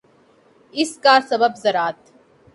اس کا سبب ذرات